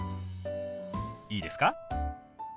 いいですか？